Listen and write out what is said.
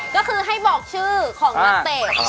ก็คือให้บอกชื่อของนักเตะ